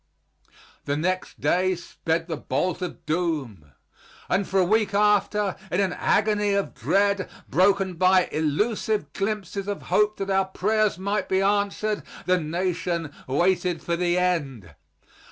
The next day sped the bolt of doom, and for a week after in an agony of dread, broken by illusive glimpses of hope that our prayers might be answered the nation waited for the end.